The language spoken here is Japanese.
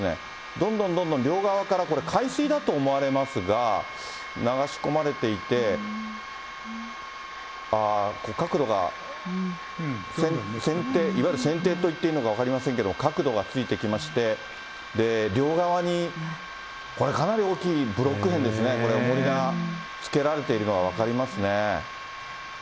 どんどんどんどん両側からこれ、海水だと思われますが、流し込まれていて、ああ、角度が、船底、いわゆる船底と言っていいのか分かりませんけど、角度がついてきまして、両側にこれかなり大きいブロック片ですね、これ、おもりがつけられているのが分かりますね。